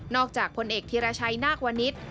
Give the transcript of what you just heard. นอกจากพลเอกธิรชัยนาควณิชย์